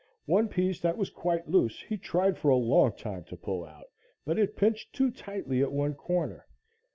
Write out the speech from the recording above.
One piece that was quite loose he tried for a long time to pull out, but it pinched too tightly at one corner.